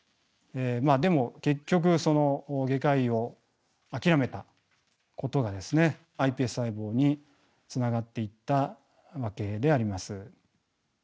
まあでも結局外科医を諦めたことがですねｉＰＳ細胞につながっていったわけであります。